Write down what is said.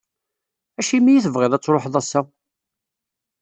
Acimi i tebɣiḍ ad tṛuḥeḍ ass-a?